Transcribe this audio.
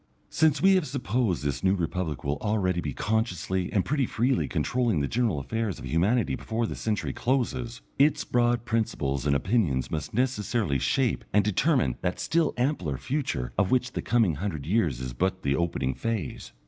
Since we have supposed this New Republic will already be consciously and pretty freely controlling the general affairs of humanity before this century closes, its broad principles and opinions must necessarily shape and determine that still ampler future of which the coming hundred years is but the opening phase.